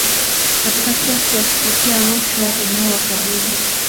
katika kesi ya kupokea rushwa inayowakabili